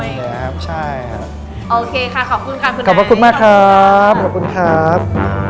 โอเคค่ะขอบคุณค่ะคุณนายขอบคุณมากครับ